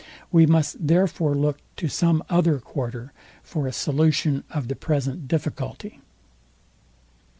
We must therefore look to some other quarter for a solution of the present difficulty.